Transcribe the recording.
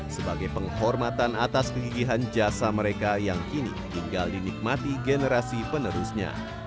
sebagai penghormatan atas kegigihan jasa mereka yang kini tinggal dinikmati generasi penerusnya